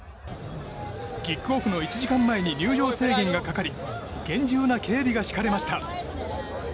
キックオフの１時間前に入場制限がかかり厳重な警備が敷かれました。